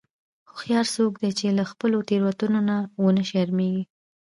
هوښیار څوک دی چې له خپلو تېروتنو نه و نه شرمیږي.